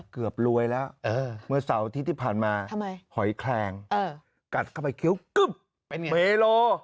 เกือบรวยแล้วเมื่อเศร้าที่ทิศภัณฑ์มาขอยแคลงกัดเข้าเปลี่ยนเมโล